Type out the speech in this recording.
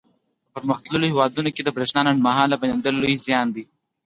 په پرمختللو هېوادونو کې د برېښنا لنډ مهاله بندېدل لوی زیان دی.